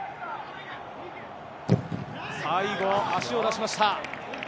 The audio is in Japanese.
最後、足を出しました。